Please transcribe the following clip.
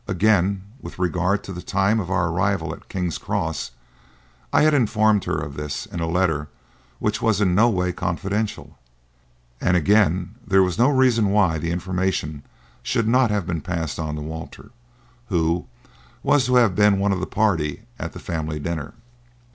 Again, with regard to the time of our arrival at King's Cross, I had informed her of this in a letter which was in no way confidential, and again there was no reason why the information should not have been passed on to Walter, who was to have been one of the party at the family dinner.